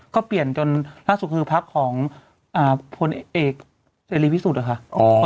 ก็เปลี่ยนจนพักของอ่าพูนเอกพิสูจน์หรอค่ะอ๋อ